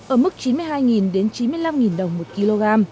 ở mức chín mươi hai đến chín mươi năm đồng một kg